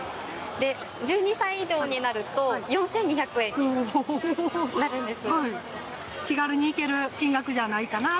で、１２歳以上になると４２００円になるんです。